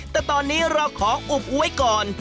แต่ตอนนี้เราขออุบไว้ก่อน